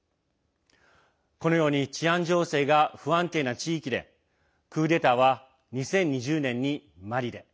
このように治安情勢が不安定な地域でクーデターは２０２０年にマリで。